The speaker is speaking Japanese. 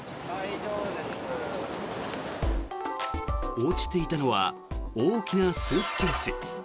落ちていたのは大きなスーツケース。